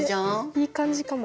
いい感じかも。